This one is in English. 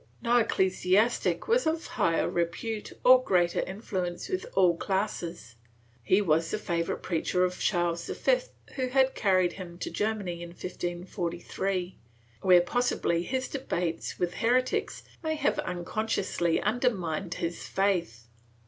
No ecclesiastic was of higher repute or greater influence with all classes; he was the favorite preacher of Charles V, who had carried him to Ger many in 1543, where possibly his debates with heretics may have unconsciously undermined his faith.